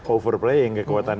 over playing kekuatan